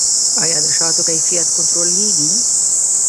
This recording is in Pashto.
آیا د شاتو کیفیت کنټرولیږي؟